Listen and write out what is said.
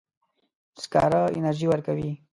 سکاره انرژي ورکوي.